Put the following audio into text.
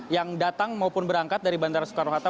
yang datang maupun berangkat dari bandara soekarno hatta